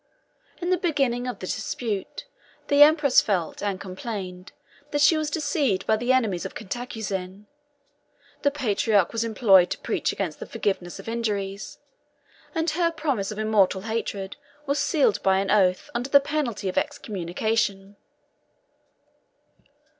In the beginning of the dispute, the empress felt, and complained, that she was deceived by the enemies of Cantacuzene: the patriarch was employed to preach against the forgiveness of injuries; and her promise of immortal hatred was sealed by an oath, under the penalty of excommunication.